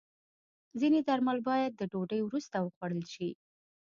ځینې درمل باید د ډوډۍ وروسته وخوړل شي.